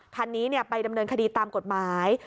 คันนี้ไปดำเนินคดีตามกฎหมาย